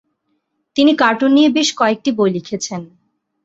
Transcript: তিনি কার্টুন নিয়ে বেশ কয়েকটি বই লিখেছেন।